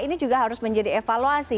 ini juga harus menjadi evaluasi